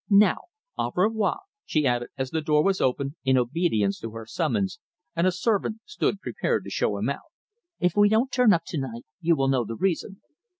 Now, au revoir," she added, as the door was opened in obedience to her summons and a servant stood prepared to show him out. "If we don't turn up to night, you will know the reason."